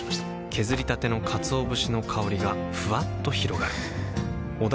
削りたてのかつお節の香りがふわっと広がるはぁ。